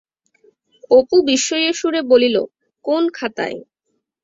অপু বিস্ময়ের সুরে বলিল, কোন খাতায়?